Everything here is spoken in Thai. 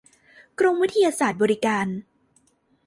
กรมวิทยาศาสตร์บริการ